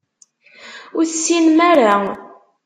Ur tessinem ara.